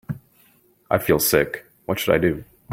I feel sick, what should I do?